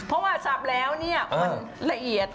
เพราะว่าสับแล้วเนี่ยมันละเอียด